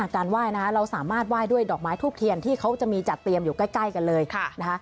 การไหว้นะคะเราสามารถไหว้ด้วยดอกไม้ทูบเทียนที่เขาจะมีจัดเตรียมอยู่ใกล้กันเลยนะคะ